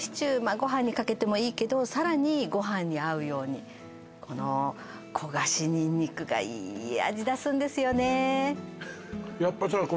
あご飯にかけてもいいけどさらにご飯に合うようにこの焦がしにんにくがいい味出すんですよねやっぱさ